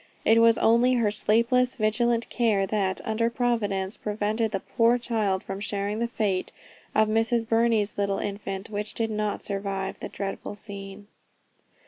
It was only her sleepless, vigilant care, that, under Providence, prevented the poor child from sharing the fate of Mrs. Burney's little infant, which did not survive the dreadful scene.